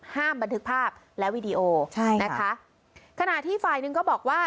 ห้ามบันทึกภาพและวีดีโอนะคะขณะที่ไฟล์นึงก็บอกว่า